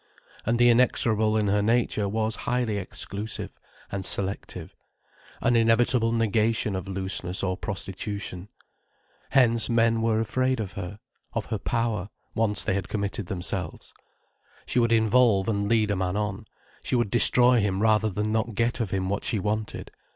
And the inexorable in her nature was highly exclusive and selective, an inevitable negation of looseness or prostitution. Hence men were afraid of her—of her power, once they had committed themselves. She would involve and lead a man on, she would destroy him rather than not get of him what she wanted.